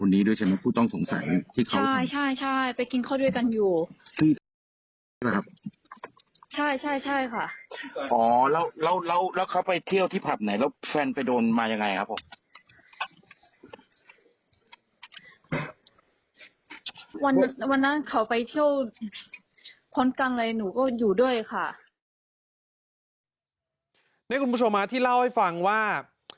นี่คุณผู้ชมที่เล่าให้ฟังว่า